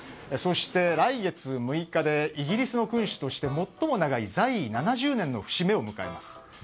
そして、来月６日でイギリスの君主として最も長い在位７０年の節目を迎えます。